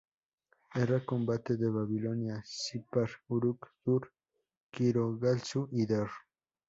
Erra combate en Babilonia, Sippar, Uruk, Dur-Kurigalzu y Der.